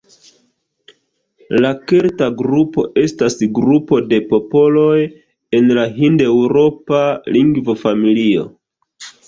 La kelta grupo estas grupo de popoloj en la hindeŭropa lingvofamilio.